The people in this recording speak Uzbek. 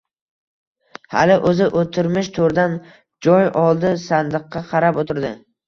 Hali o‘zi o‘tirmish to‘rdan joy oldi. Sandiqqa qarab o‘tirdi.